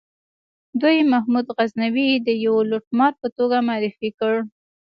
دوی محمود غزنوي د یوه لوټمار په توګه معرفي کړ.